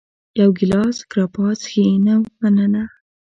یو ګېلاس ګراپا څښې؟ نه، مننه.